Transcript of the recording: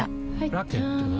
ラケットは？